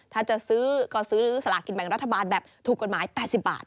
ถ้าจะซื้อก็ซื้อสลากินแบ่งรัฐบาลแบบถูกกฎหมาย๘๐บาท